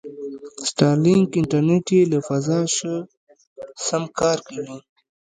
سټارلینک انټرنېټ له فضا شه سم کار کوي.